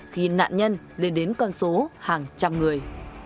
khi nạn nhân lên đến con số hàng trăm người